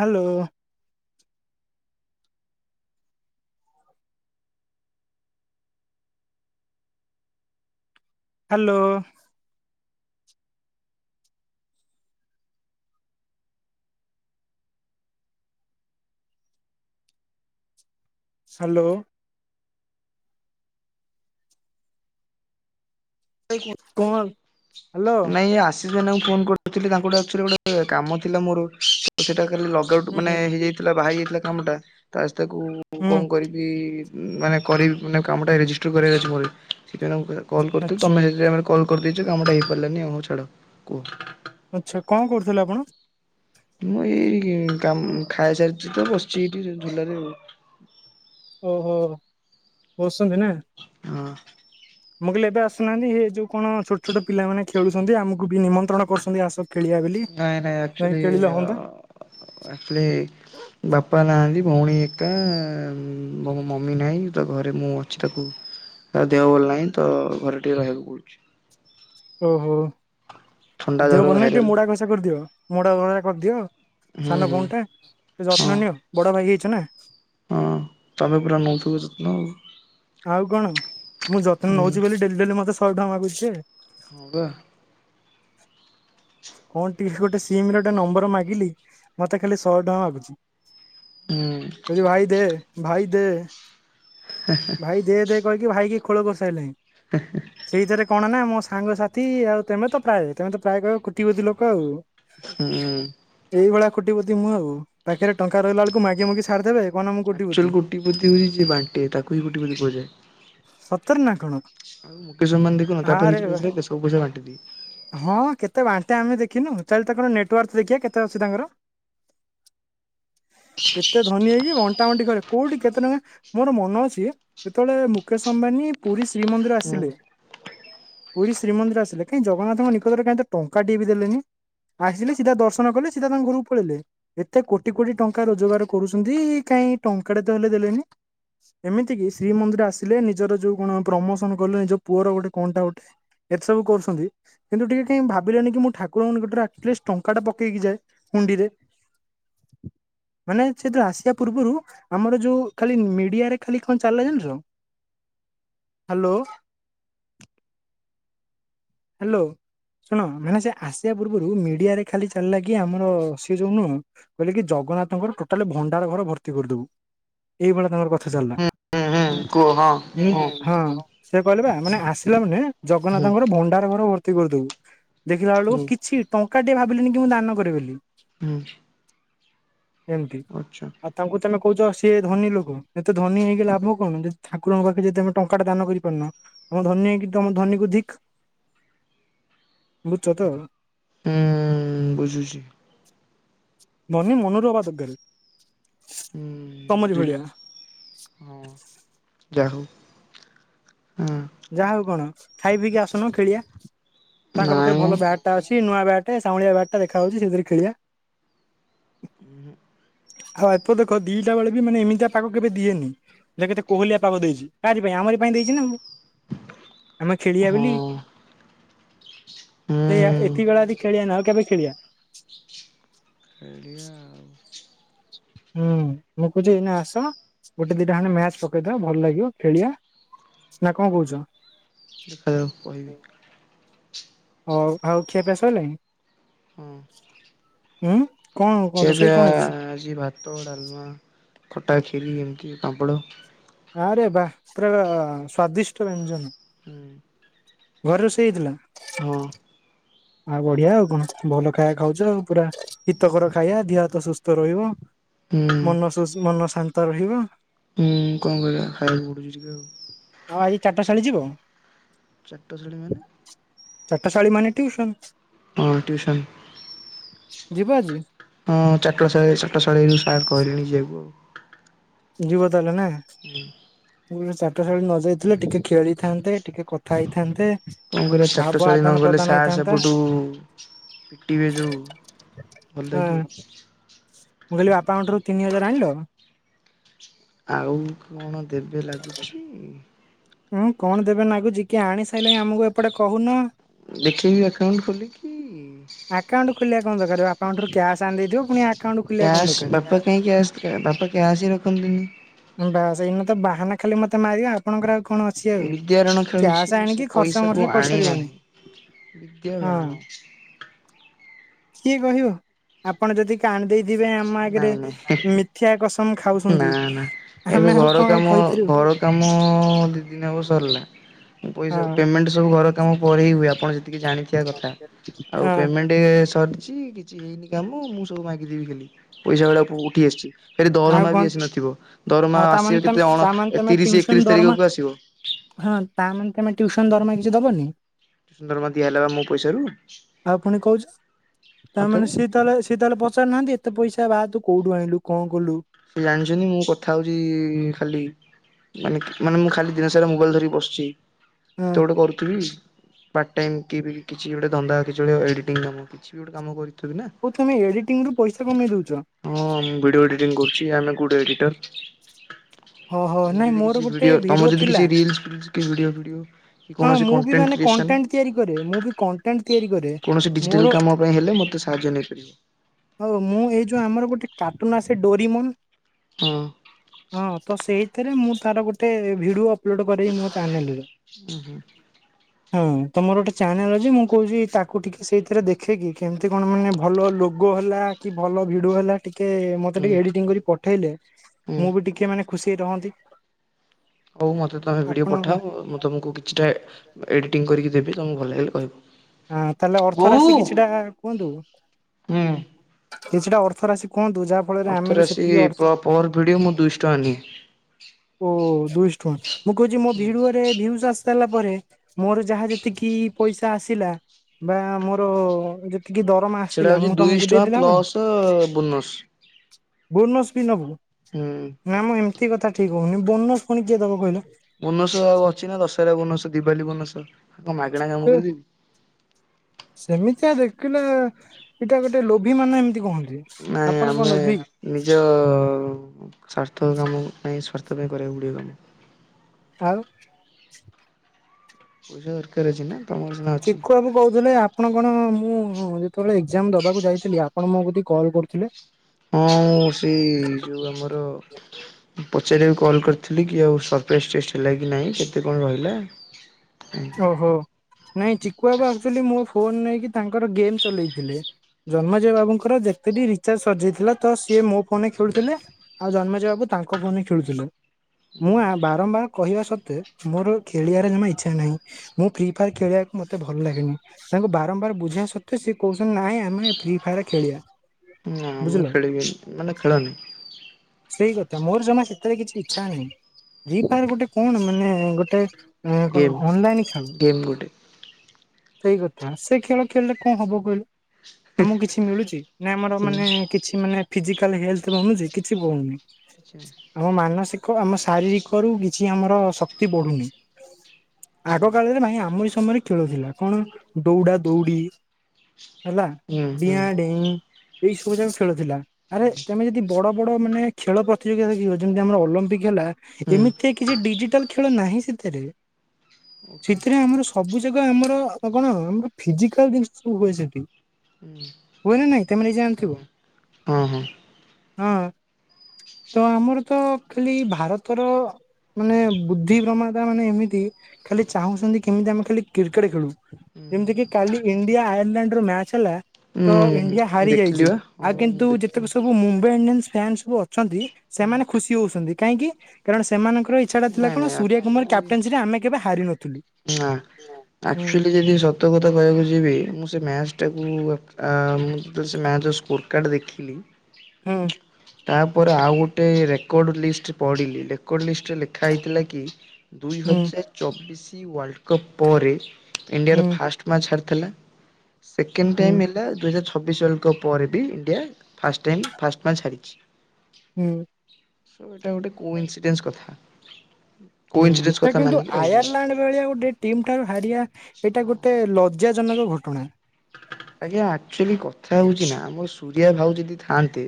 Hello hello hello Komal ନାଇଁ ଆଶିଷ ଭାଇନାଙ୍କୁ phone କରୁଥିଲି, ତାଙ୍କଠି ଆକ୍ଚୁଆଲି ଗୋଟେ କାମ ଥିଲା ମୋର ସେଟା କାଲି ଲଗଆଉଟ ହୁଁ ମାନେ ହୁଁ ହେଇଯାଇଥିଲା ବାହାରି ଯାଇଥିଲା କାମଟା, ତାସ୍ ତାକୁ ହୁଁ କଣ କରିବି? ବି ମାନେ କରିବି ମାନେ କାମଟା ରେଜିଷ୍ଟର୍ କରିବା ଅଛି ମୋର, ସେଥିପାଇଁ ମୁଁ କଲ୍ କରିୁଥିଲୁ ଆଚ୍ଛା ତମେ ସେ [unintelligible] କଲ୍ କରିଦେଇଛ କାମଟା ହେଇପାରିଲାନି ଆଉ ଛାଡ଼ କୁହ ଆଚ୍ଛା କଣ କରୁଥିଲେ ଆପଣ? ମୁଁ ଏଇ କାମ ଖାଇସାରିଛି ତ ବସିଛି ଏଇଠି ଝୁଲାରେ ଆଉ ଓହୋ ବସଛନ୍ତି ନା ହଁ। ମୁଁ କହିଲି ଏବେ ଆସୁନାହାନ୍ତି ଇଏ ଯୋଉ କଣ ଛୋଟ ଛୋଟ ପିଲାମାନେ ଖେଳୁଛନ୍ତି ଆମକୁ ବି ନିମନ୍ତ୍ରଣ କରିଛନ୍ତି ଆସ। ଖେଳିବା ବୋଲି ନାଇଁ ନାଇଁ ଯାଇ ଆକ୍ଚୁଲି ଖେଳିଲେ ହୁଅନ୍ତା ଅ ଆକ୍ଚୁଲି ବାପା ନାହାନ୍ତି ଭଉଣୀ ଏକା ମୋ ମମି ନାଇଁ ତ ଘରେ ମୁଁ ଅଛି ତାକୁ ତା ଦେହ ଭଲ ନାହିଁ ତ ଘରେ ଟିକେ ରହିବାକୁ ପଡୁଛି। ଓହୋ ଥଣ୍ଡା ଦେହ ଜର ଭଲ ନାହିଁ ଟିକେ ଭାଇରାଲ ମୋଡା ଘସା କରିଦିଅ, ମୋଡା ଘସା କରିଦିଅ। ହୁଁ ସାନ ହୁଁ ଭଉଣୀଟା ତ ହଁ ଯତ୍ନନିଅ ବଡ ଭାଇ ହେଇଛ ନା। ହଁ ତମେ ପୁରା ନଉଥିବ ଯତ୍ନ ଆଉ। ଆଉ କଣ ମୁଁ ଯତ୍ନ ହୁଁ ନଉଛି ବୋଲି ଡେଲି ଡେଲି ମତେ ଶହେ ଟଙ୍କା ମାଗୁଛି ସେ। ହଁ ବା। କଣ ଟିକେ ଗୋଟେ ସିମ ର ଟା ନମ୍ବର ମାଗିଲି ମତେ ଖାଲି ଶହେ ଟଙ୍କା ମାଗୁଛି। ହୁଁ। କହୁଛି ଭାଇ ଦେ ଭାଇ ଦେ ଭାଇ ଦେ ଦେ କହିକି ଭାଇ କି ଖୋଳ କରିସାରିଲାଣି। ହେ ହେଁ। ସେଇଜାରେ କଣ ନା ମୋ ସାଙ୍ଗ ସାଥି ଆଉ ତମେ ତ ପ୍ରାୟ ତମେ ତ ପ୍ରାୟ କହିବ ଖୁ କଟିପତି ଲୋକ ଆଉ। ହୁଁ। ଏଇଭଳିଆ ଖୁଟିପତି ମୁଁ ଆଉ ପାଖରେ ଟଙ୍କା ରହିଲା ବେଳ କୁ ମାଗି ମାଗି ସାରିଦେବେ। କଣ ମୁଁ ଆକ୍ଚୁଆଲ୍ କୋଟିପତି। କୋଟିପତି ହଉଛି ଯିଏ ବାଣ୍ଟେ ତାକୁ ହିଁ କୋଟିପତି କୁହାଯାଏ। ସତରେ ନା କଣ? ଆଉ ମୁକେଶ ଅମ୍ବାନୀ ଦେଖୁନ ତା ପାଖରେ ଆରେ କିଛି ବା ପଇସା ରହିଲେ ସବୁ ପଇସା ବାଣ୍ଟିଦିଏ। ହଁ କେତେ ବାଣ୍ଟେ ଆମେ ଦେଖିନୁ ଚାଲ ତାଙ୍କର ନେଟୱାର୍ଥ ଦେଖିବା କେତେ ଅଛି ତାଙ୍କର। ଏତେ ଧନୀ ହେଇକି ବଣ୍ଟା ବଣ୍ଟି କରେ କୋଉଠି କେତେ ଟଙ୍କା ମୋର ମନ ଅଛି ଯେତେବେଳେ ମୁକେଶ ଅମ୍ବାନୀ ପୁରୀ ଶ୍ରୀମନ୍ଦିର ହୁଁ ଆସିଲେ ପୁରୀ ଶ୍ରୀମନ୍ଦିର ଆସିଲେ କାଇଁ ଜଗନାଥଙ୍କ ନିକଟରେ କାଇଁ ତ ଟଙ୍କା ଟିଏ ବି ଦେଲେନି। ଆସିଲେ ସିଧା ଦର୍ଶନ କଲେ ସିଧା ତାଙ୍କ ଘରକୁ ପଳେଇଲେ। ଏତେ କୋଟି କୋଟି ଟଙ୍କା ରୋଜଗାର କରୁଛନ୍ତି କାଇଁ ଟଙ୍କା ଟେ ତ ହେଲେ ଦେଲେନି। ଏମିତି କି ଶ୍ରୀମନ୍ଦିର ଆସିଲେ ନିଜର ଯୋଉ କଣ ପ୍ରମୋସନ କଲେ ନିଜ ପୁଅର ଗୋଟେ କଣ ଟା ଗୋଟେ ଏତେ ସବୁ କରୁଛନ୍ତି କିନ୍ତୁ ଟିକେ କାଇଁ ଭାବିଲେନି କି ମୁଁ ଠାକୁରଙ୍କ ନିକଟରେ ଅଟଲିଷ୍ଟ୍ ଟଙ୍କା ଟା ପକେଇକି ଯାଏ ହୁଣ୍ଡିରେ। ମାନେ ସେ ଯେତେବେଳେ ଆସିବା ପୂର୍ବରୁ ଆମର ଯୋଉ ଖାଲି ମିଡିଆରେ ଖାଲି କଣ ଚାଲେ ଜଣିଛ ହ୍ୟାଲୋ ହ୍ୟାଲୋ। ଶୁଣ ମାନେ ସେ ଆସିବା ପୂର୍ବରୁ ମିଡିଆରେ ଖାଲି ଚାଲିଲା କି ଆମର ସିଏ ଯୋଉ ନୁହଁ କହିଲେ କି ଜଗନ୍ନାଥଙ୍କର ଟୋଟାଲି ଭଣ୍ଡାର ଘର ଭର୍ତ୍ତି କରିଦବୁ। ଏଇଭଳିଆ ତାଙ୍କର କଥା ଚାଲିଲା। ହୁଁ ହୁଁ ହୁଁ କୁହ ହଁ ହଁ ହଁ। ସେ କହିଲେ ବା ମାନେ ଆସିଲା ମାନେ ହୁଁ ଜଗନ୍ନାଥଙ୍କର ଭଣ୍ଡାର ଘର ଭର୍ତ୍ତି କରିଦେବୁ। ଦେଖିଲା ବେଳକୁ ହୁଁ କିଛି ଟଙ୍କା ଟେ ଭାବିଲେନି କି ମୁଁ ଦାନ କରିବ ବୋଲି। ହୁଁ। ଏମିତି ଆଚ୍ଛା। ଅ ତାଙ୍କୁ ତମେ କହୁଛ ସିଏ ଧନୀ ଲୋକ ଏତେ ଧନୀ ହେଇକି ଲାଭ କଣ ଯଦି ଠାକୁରଙ୍କ ପାଖରେ ଯଦି ତମେ ଟଙ୍କା ଟା ଦାନ କରିପାରୁନ। ତମେ ଧନୀ ହେଇକି ତମ ଧନୀକୁୁ ଧିକ୍। ବୁଝୁଚ ତ। ହୁଁ ବୁଝୁଛି। ଧନୀ ମନରୁ ହେବା ଦରକାର। ହଁ ତମରି ଭଳିଆ ବୁଝିଲି ହଁ ଯାହାହଉ। ହୁଁ। ଯାହା ହଉ କଣ ଖାଇ ପିଇକି ଆସୁନ ଖେଳିବା ତାଙ୍କ ପାଖରେ ନାଇଁ ଭଲ ବ୍ୟାଟ ଅଛି ନୂଆ ବ୍ୟାଟ ସାଉଁଳିଆ ବ୍ୟାଟ୍ ଟା ଦେଖା ଯାଉଛି ସେଥିରେ ଖେଳିବା। [inaudible] ହଁ ଆକୁ ଦେଖ ଦିଟା ବେଳେ ବି ମାନେ ଏମିତିଆ ପାଗ କେବେ ଦିଏନି। ଦେଖ କେତେ କୋହଲିଆ ପାଗ ଦେଇଛି କାହାରି ପାଇଁ ଆମରି ପାଇଁ ଦେଇଛି ନା ଆଉ। ଆମେ ଖେଳିବା ହଁ ବୋଲି ସେଇଆ ହୁଁ ଏତିକି ବଳେ ଯଦି ଖେଳିବାନି ଆଉ କେବେ ଖେଳିବା କାଳିଆ ଆଉ ହୁଁ ମୁଁ କହୁଛି ଏଇନା ଆସ ଗୋଟେ ଦିଟା ଖଣ୍ଡେ ମ୍ୟାଚ ପକେଇଦବା ଭଲ ଲାଗିବ ଖେଳିବା ନା କଣ କହୁଛ। [unintelligible] କହିବି ହଉ ଆଉ ଖିଆପିଆ ସରିଲାଣି। ହଁ। ହୁଁ କଣ କଣ ରୋଷେଇ ଖିଆପିଆ କଣ ହେଇଛି। ଆଜି ଭାତ ଡାଲମା ଖଟା ଖିରି ଏମିତି ପାମ୍ପଡ। ବାଆଁରେ ବା ପୁରା ସ୍ଵାଦିଷ୍ଟ ବ୍ୟଞ୍ଜନ। ହୁଁ। ଘରେ ରୋଷେଇ ହୋଇଥିଲା। ହଁ। ଆଉ ବଢିଆ ଆଉ କଣ ଭଲ ଖାଇବା ଖାଉଛ ଆଉ ପୁରା ହିତକର ଖାଇବା ଦେହ ହାତ ସୁସ୍ଥ ରହିବ ହୁଁ ମନ ମନ ଶାନ୍ତ ରହିବ। ହୁଁ କଣ କହ ହାଇ ପଢଡୁଛି ଟିକେ ଆଉ। ଆଉ ଚାରଟାଳୀ ଯିବ। ଚାଟ ଶାଳୀ ମାନେ। ଚାଟ ଶାଳୀ ମାନେ ଟ୍ୟୁସନ। ହଁ ଟିୟୁସନ୍। ଯିବ ଆଜି ହଁ ଚାଟଳ ଚାଟଶାଳୀ ରୁ ସାର୍ କହିଲେଣି ଯିବାକୁ ଆଉ। ଯିବ ତାହାଲେ ନା। [inaudible] ଚାଟଶାଳୀ ନ ଯାଇଥିଲେ ଟିକେ ଖେଳିଥାନ୍ତେ ଟିକେ କଥା ହେଇଥାନ୍ତେ। କଣ କରିବା ଚାଟ ଭାବ ଶାଳୀ ନ ଆଦାନ ଗଲେ ପ୍ରଦାନ ସାରେ ହେଇଥାନ୍ତା ସେପଟୁ ପିଟିବେ ଯେଉଁ। ଭଲ ହଁ ଲାଗିବ। ମୁଁ କହିଲି ବାପାଙ୍କ ଠାରୁ ତିନି ହଜାର ଆଣିଲ। ଆଉ କଣ ଦେବେ ଲାଗୁଛି। ହୁଁ କଣ ଦେବେ ନାଗୁଜ କିି ଆଣି ସାରିଲେଣି ଆମକୁ ଏପଟେ କହୁନ। ଦେଖିବି ଆକାଉଣ୍ଟ ଖୋଲିକି ଆକାଉଣ୍ଟ ଖୋଲିବା କଣ ଦରକାର ବାପାଙ୍କ ଠାରୁ ଆକାଉଣ୍ଟରୁ କ୍ୟାସ୍ ଆଣିଥିବ ପୁଣି। ଆକାଉଣ୍ଟ ଖୋଲିବା କଣ କ୍ୟାସ୍ ଦରକାର ବାପା କାହିଁ କ୍ୟାସ୍ ବାପା କ୍ୟାସ୍ ହି ରଖନ୍ତିନି। ସେଇନାତ ବାହାନା ତ ଖାଲି ମତେ ମାରିବା ଆପଣଙ୍କର ଆଉ କଣ ଅଛି ଅଛି ଆଉ ବିଦ୍ୟାରଣ ଖେଳୁଛି କ୍ୟାସ ସେ ଆଣିକି ଖର୍ଚ ପଇସାକୁ ମର୍ଚା ଆଣି ନାହିଁ। କରିସାରିବନି ବିଦ୍ୟା ହଁ। ବାଣ ନାଇଁ କିଏ କହିବ। ଆପଣ ଯଦି କାନ୍ଦି ଥିବେ ଆମ ଆଗରେ ନାଇଁ ମିଥ୍ୟା କସମ ନା ଖାଉଛନ୍ତି। ନା। ଏବେ ଆମେ ଆଉ ଘର କାମ କଣ କହିପାରିବୁ? ଘର କାମ ଦୁଇ ଦିନ ହେବ ସରିଲା। ମୁ ହଁ ପଇସା ପେମେଣ୍ଟ ସବୁ ଘର କାମ ପରେ ହୁଏ। ଆପଣ ଯେ, ଟିକେ ଜାଣି କଥା। ଆଉ ହଁ ପେମେଣ୍ଟ ଗୋଟେ ସରିଛି କିଛି ହେଇନି କାମ ମୁଁ ସବୁ ମାଗିଦେବି ଖାଲି ପଇସା ଗୁଡା କଣ ଉଠି ଆସିଛି? ଖାଲି ଆଉ ଦରମା ବି କଣ ଆସି ନଥିବ। ଦରମା ଆଉ ତାମାନେ ଆସିବ ତମେ କେତେ ଅଣ ତାମାନେ ତମେ ତିରିଶ ଟିଉସନ ଏକତିରିଶ ଦରମା ତାରିଖକୁ ଆସିବ। ହଁ ତା ମାନେ ତମେ ଟ୍ୟୁସନ ଦରମା କିଛି ଦବନି? ଦରମା ବା ଦିଆ ହେଲା ବା ମୋ ପଇସାରୁ। ଆଉ ପୁଣି କହୁଛ ତା ମାନେ ସିଏ ସିଏ ତାହେଲେ ସେ ତାହେଲେ ପଚାରୁିହାନ୍ତି ଏତେ ପଇସ ବା ତୁ କୋଉଠୁ ଆଣିଲୁ କଣ କଲୁ? ସେ ଜାଣିଛନ୍ତି ମୁଁ କଥା ହଉଛି ଖାଲି ମାନେ ମାନେ ମୁଁ ଖାଲି ଦିନ ସାରା ମୋବାଇଲ ଧରି ବସିଛି। ହଁ କିଛିତ ଗୋଟେ କରୁଥିବି। ପାର୍ଟ ଟାଇମ୍ କିଏ ବି କିଛି ଗୋଟେ ଧନ୍ଦା କିଛି ଗୋଟେ ଏଡ଼ିଟିଂ କାମ କିଛି ବି ଗୋଟେ କାମ କରିଥିବି ନା, ହଉ ତୁମେ ଏଡିଟିଂ ରୁ ପଇସା କମେଇ ଦଉଛ? ହଁ ମୁଁ ଭିଡିଓ ଏଡିଟିଂ କରୁଛି। ଆମେ ଗୁଡ଼ ଏଡିଟର। ହଁ ହଁ ତମର ନାଇଁ ଯଦି ମୋର କିଛି ଗୋଟେ ଭିଡିଓ ତମ ଯଦି ଥିଲା। କିଛି ରିଲସ ଭିଡିଓ [unintelligible] ହଁ କୌଣସି ମୁଁ ବି ମାନେ କଣ୍ଟେଣ୍ଟ୍ରସ କଣ୍ଟେଣ୍ଟ ତିଆରି କରେ ମୁଁ ବି [unintelligible] କଣ୍ଟେଣ୍ଟ ତିଆରି କରେ। କୌଣସି ମୋର ଡିଜିଟାଲ କାମ ପାଇଁ ହେଲେ ମତେ ସାହାଯ୍ୟ ନେଇପାରିବ। ହଉ, ମୁଁ ଏଇ ଯୋଉ ଆମର ଗୋଟେ କାର୍ଟୁନ ଆସେ ଡୋରିମୋନ ହଁ, ହଁ ତ ସେଇଥିରେ ମୁଁ ତାର ଗୋଟେ ଭିଡିଓ ଅପଲୋଡ କରେଇ ମୋ ଚ୍ୟାନେଲରେ। ହୁଁ, ହୁଁ। ହଁ ତମର ଗୋଟେ ଚ୍ୟାନେଲ ଅଛି। ମୁଁ କହୁଛି ତାକୁ ଟିକେ ସେଇଥିରେ ଦେଖେଇକି କେମିତି କଣ ମାନେ ଭଲ ଲୋ ଭୋଗ ହେଲା କି ଭଲ ଭିଡିଓ ହେଲା ଟିକେ ମତେ ହୁଁ ଟିକେ ଏଡିଟିଂ କରି ପଠେଇଲେ ହୁଁ ମୁଁ ବି ଟିକେ ମାନେ ଖୁସି ହେଇ ରହନ୍ତି। ହଉ ମୋତେ ତୁମେ ଭିଡ଼ିଓ ଆପଣ ପଠାଅ ମୁଁ ତୁମକୁ କିଛିଟା ଏଡ଼ିଟିଂ କରିକି ଦେବି ତମକୁ ଭଲ ଲାଗିଲେ କହିବ। ହଁ ତାହେଲେ ଅର୍ଥ ବୋଉ ରାଶି କିଛିଟା କୁହନ୍ତୁ? ହୁଁ। କିଛିଟା ଅର୍ଥ ରାଶି କୁହନ୍ତୁ? ଯାହା ଫଳରେ ଆମେ ବି ସେତିକି ଅର୍ଥ ପଅର୍ ଭିଡ଼ିଓ ମୁଁ ଦୁଇଶହ ଟଙ୍କା ନିଏ। ଓ ଦୁଇଶହ ଟଙ୍କା। ମୁଁ କହୁଛି ମୋ ଭିଡିଓ କେତେ ଭିୟୁସ ଆସିସାରିଲା ପରେ ମୋର ଯାହା ଯେତିକି ପଇସା ଆସିଲା ବା ମୋର ଯେତିକି ଦରମା ସେଇଟା ଆସିଥିଲା ହଉଛି ମୁଁ ଦୁଇଶହ ତମକୁ ଟଙ୍କା ଦେଇଦଲେ ହବନି? Plus bonus. ବୋନସ ବି ନବୁ। ହୁଁ, ନା ମୁଁ ଏମିତି କଥା ଠିକ କହୁନି ବୋନସ୍ ପୁଣି କିଏ ଦବ କହିଲୁ? ବୋନସ ଆଉ ଅଛି ନା ଦଶହରା ବୋନସ, ଦିିବାଲି ବୋନସ କଣ ମାଗଣା କାମ କରିଦେବି। ସେମିତିଆ ଦେଖିଲେ ଏଟା ଗୋଟେ ଗୋଟେ ଲୋଭୀ ମାନ ଏମିତି କହନ୍ତି? ନାଇଁ ଆପଣ କଣ ଆମେ ଲୋଭି ନିଜ ସ୍ୱାର୍ଥ କାମ ପାଇଁ ସ୍ୱାର୍ଥ ପାଇଁ କରିବାକୁ ପଡ଼ିବ। ଆଉ। ପଇସା ଦରକାର ଅଛି ନା ତମର ସିନା ଅଛି। ଚିକୁ ବାବୁ କହୁଥିଲେ ଆପଣ କଣ ମୁଁ ଯେତେବେଳେ ଏକ୍ଜାମ ଦବାକୁ ଯାଇଥିଲି। ଆ ଆପଣ ମୋ କତିକି କଲ୍ କରୁଥିଲେ। ହଁ ମୁଁ ସେଇ ଯୋଉ ଆମର ପଚାରିବାକୁ କଲ୍ କରିଥିଲି କି ଆଉ [unintelligible] ଟେଷ୍ଟ ହେଲା କି ନାଇଁ କେତେ କଣ ରହିଲା ଉଁ ଓହୋ ନାଇଁ ଚକୁୁଆ ବା ଆକ୍ଚୁଆଲି ମୋ ଫୋନ୍ ନେଇକି ତାଙ୍କର ଗେମ୍ ଚଲେଇଥିଲେ। ଜନ୍ମେଜୟ ବାବୁଙ୍କର ଯେତେ ବି ରିଚାର୍ଜ ସରିଯାଇଥିଲା, ତ ସିଏ ମୋ ଫୋନ୍ ରେ ଖେଳୁଥିଲେ। ଆଉ ଜନ୍ମେଜୟ ବାବୁ ତାଙ୍କ ଫୋନ୍ ରେ ଖେଳୁଥିଲେ। ମୁଁ ଆ ବାରମ୍ବାର କହିବା ସତ୍ତ୍ୱେ ମୋର ଖେଳିଆର ଜମା ଇଚ୍ଛା ନାହିଁ। ମୁଁ ଫ୍ରି ଫାୟାର୍ ଖେଳିଆକୁ ମତେ ଭଲ ଲାଗେନି। ତାଙ୍କୁ ବାରମ୍ବାର ବୁଝେଇଆ ସତ୍ତ୍ୱେ ସେଏ କହୁଚନ୍ତି ନାଇଁ ଆମେ ଫ୍ରି ଫାୟାର୍ ଖେଳିଆ। ନାଁ ମୁଁ ଖେଳିବିନି, ମାନେ ଖେଳନି। ସେଇ କଥା ମୋର ଜମା ସେତେରେ କିଛି ଇଚ୍ଛା ନାହିଁ, ଫ୍ରି ଫାୟାର୍ ଗୋଟେ କଣ ମାନେ ଗୋଟେ ଏଁ କଣ ଗେମ୍ ଅନଲାଇନ୍ ଖେଳ। ଗେମ୍ ଗୋଟେ। ସେଇ କଥା, ସେ ଖେଳ ଖେଳିଲେ କଣ ହବ କହିଲୁ ଆମକୁ କିଛି ମିଳୁଚି ନା ଆମର କିଛି ମାନେ ନାହିଁ କିଛି ମାନେ ଫିଜିକାଲ୍ ହେଲ୍ଥ ବନୁଚି କି [inaudible] [inaudible] ଆମ ମାନସିକ ଆମ ଶାରୀରିକ ରୁ କିଛି ଆମର ଶକ୍ତି ବଢୁନି। ଆଗ କାଳରେ ଭାଇ ଆମରି ସମୟରେ ଖେଳଥିଲା କଣ ଦୌଡା-ଦୌଡି ହେଲା ହୁଁ ହୁଁ ଡିଆଁ ଡେଇଁ ଏଇ ସବୁ ଯାକ ଖେଳୁଥଲା, ଆରେ ହୁଁ ତମେ ଯଦି ବଡ ବଡ ମାନେ ଖେଳ ପ୍ରତିଯୋଗିତା ଦେଖିବ ଯେମ୍ତି ଆମର ଅଲମ୍ପିକ୍ ହେଲା, ହୁଁ ଏମିତି କିଛି ଡିଜିଟାଲ୍ ଖେଳ ନାହିଁ ସେଥରେ, ଓକେ ସିଥେରେ ଆମର ସବୁ ଯାକ ଆମର କଣ ଆମର ଫିଜିକାଲ୍ ଜିନିଷ ସବୁ ହୁଏ ସେଠି। ହୁଏ ନା ନାଇଁ ତମେ ନିଜେ ଜାଣିଥିବ ହଁ-ହଁ। ହଁ ତ ଆମର ତ ଖାଲି ଭାରତର ମାନେ ବୁଦ୍ଧି ପ୍ରମାତା ମାନେ ଏମିତି ଖାଲି ଚାହୁଁଚନ୍ତି କେମିତି ଆମେ ଖାଲି କ୍ରିକେଟ୍ ଖେଳୁ। ହୁଁ ହୁଁ ଯେମ୍ତିକିି କାଲି ଇଣ୍ଡିଆ ଆୟାରଲାଣ୍ଡ ର ମ୍ୟାଚ ହେଲା ତ ଇଣ୍ଡିଆ ହୁଁ ହାରି ଦେଖିଲି ଯାଇଚି, ବା ହଁ ଆଉ ବା ମୁଁ କିନ୍ତୁ ଦେଖିଲି ଯେତକ ସବୁ ମୁମ୍ ମୁମ୍ବାଇ ଇଣ୍ଡିଆନ୍ସ୍ ଫ୍ୟାନ୍ ସବୁ ଅଛନ୍ତି ହୁଁ ସେମାନେ ଖୁସି ହଉଚନ୍ତି କାହିଁକି କାରଣ ସେମାନଙ୍କ ର ଇଚ୍ଛାଟା ଥିଲା ନାଇଁ କଣ ନାଇଁ ସୁରିୟା କୁମାର କ୍ୟାପ୍ଟନ୍ସିରେ ଆମେ କେବେ ହାରିିନୁ ନାଁ ଆକ୍ଚ୍ୟୁଲି ଯଦି ସ ସତ କଥା କହିଆକୁ ଯିବି, ମୁଁ ସେ ମ୍ୟାଚ୍ ଟାକୁ ଆ ମୁଁ ତ ସେ ମ୍ୟାଚ୍ ର ସ୍କୋରକାର୍ଡ଼ ଦେ ଖିଲି ହୁଁ ତାପରେ ଆଉ ଗୋଟେ ରେକର୍ଡ ଲିଷ୍ଟ ପଢିଲି, ରେକର୍ଡ ଲିଷ୍ଟରେ ଲେଖା ହେଇଥିଲା କି ଦୁଇ ହୁଁ ହଜାର ଚବିଶି ୱାର୍ଲ୍ଡ କପ୍ ପରେ ଇଣ୍ଡିଆର ହୁଁ ଫାଷ୍ଟ ମ୍ୟାଚ୍ ହରାଇଥିଲା, ସେକେଣ୍ଡ ହୁଁ ଟାଇମ୍ ହେଲା ଦୁଇ ହଜାର ଛ ଛବିଶ୍ ୱାଲ୍ଡ କପ୍ ପରେ ବି India first time first match ହାରିଚି। ହୁଁ। ତ ଏଇଟା ଗୋଟେ କୋ ଇନ୍ସିଡେନ୍ସ କଥା, କୋ ହୁଁ ଇନ୍ସିଡେନ୍ସ ତ କଥା କିନ୍ତୁ ମାନିକି ରହିଯାଇଚି। [unintelligible] ଗୋଟେ ଟିମ୍ ଠାରୁ ହାରିଆ ଏଇଟା ଗୋଟେ ଲଜ୍ଜାଜନକ ଘଟଣା। ଆଜ୍ଞା ଆକ୍ଚ୍ୟୁଲି କଥା ହଉଚି ନା ଆମ ସୂରିଆ ଭାଉ ଯଦି ଥାଆନ୍ତେ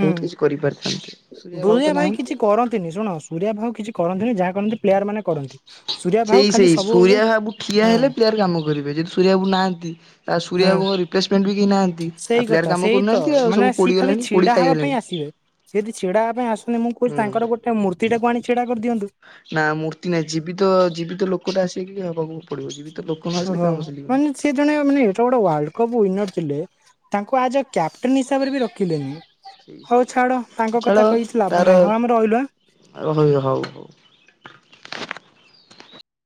ହୁଁ ବହୁତ୍ କିଛି କରିପାରିଥାନ୍ତେ, ସୂରିଆ ଭାଉ ତ ନାହାନ୍ତି। ନ୍ତିନି ଶୁଣ ସୂରିଆ ଭାଉ କିଛି କରନ୍ତିନି, ଯାହା କରନ୍ତି ପ୍ଲେୟାର ମାନେ କରନ୍ତି। ସୂର୍ୟା ଭାଉ ଖାଲି ସେଇ-ସେଇ ସବୁବେଳେ ପାଇଁ ସୁରିଆ ଭାବୁ ଠିଆ ହଁ ହେଲେ ପ୍ଲେୟାର୍ କାମ କରିବେ, ଯେଦି ସୂରିଆ ବାବୁ ନାହାନ୍ତି ଆଉ ସୂରିଆ ହଁ ବାବୁଙ୍କ ରିପ୍ଲେସମେଣ୍ଟ ବି କେହି ନାହାନ୍ତି, ସେଇ ଆଉ ପ୍ଲେୟାର କଥା କାମ ସେଇ ତ କରୁନାହାନ୍ତି ଆଉ ସବୁ ପୋଡିଗଲେଣି ପୋଡି ଖାଇଗଲେଣି। ସେଦି ଛିଡ଼ା ହବା ପାଇଁ ଆସୁନି ମୁଁ କହୁଛି ହୁଁ ତାଙ୍କର ଗୋଟେ ମୂର୍ତ୍ତିଟାକୁ ଆଣି ଛିଡା କରିଦିଅନ୍ତୁ। ନା ମୂର୍ତ୍ତି ନାହିଁ ଜୀବିତ ଜୀବିତ ଲୋକଟା ଆସିକି ହବାକୁ ପଡିବ ଯଦି ତ ଲୋକ ଓ ଆସିଲେ ହଉ କାମ ଚାଲିବନି। ମାନୁଛି। ସେ ଜଣେ ମାନେ ଏତେ ବଡ ୱାର୍ଲ୍ଡ କପ୍ ୱିନର ଥିଲେ ତାଙ୍କୁ ଆଜ୍ ଏ କ୍ୟାପ୍ଟେନ ହିସାବରେ ବି ରଖିଲେନି। ସେଇ ହଉ ସେଇ ଛାଡ ତାଙ୍କ କଥା କହିକିଛି ଲାଭ ନାହିଁ ହଁ ଆମେ ରହିଲୁ ଆଁ। ଆ [unintelligible] ହଉ ହଉ।